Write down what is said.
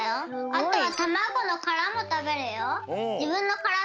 あとはたまごのからもたべるよ。